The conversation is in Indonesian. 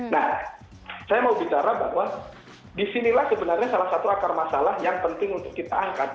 nah saya mau bicara bahwa disinilah sebenarnya salah satu akar masalah yang penting untuk kita angkat